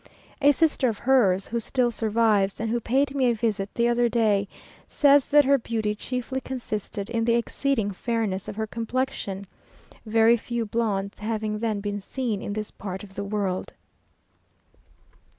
A sister of hers, who still survives, and who paid me a visit the other day, says that her beauty chiefly consisted in the exceeding fairness of her complexion, very few blondes having then been seen in this part of the world.